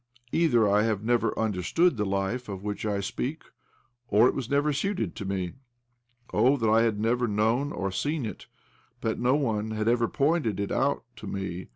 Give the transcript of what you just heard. Either I have never understood the life of OBLOMOV 159 which I speak or it was never suited to me. Oh, that I had never known or seen it, that no one had ever pointed it out to me